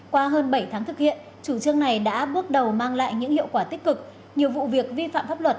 qua hơn bảy tháng thực hiện chủ trương này đã bước đầu mang lại những hiệu quả tích cực nhiều vụ việc vi phạm pháp luật